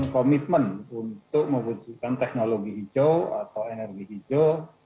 komitmen untuk mewujudkan teknologi hijau atau energi hijau